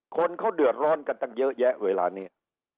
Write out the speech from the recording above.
คนเขาเดือดร้อนกันตั้งเยอะแยะเวลานี้